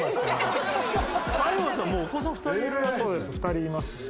２人います。